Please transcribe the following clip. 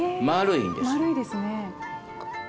丸いですね。